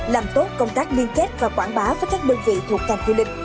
làm tốt công tác liên kết và quảng bá với các đơn vị thuộc ngành du lịch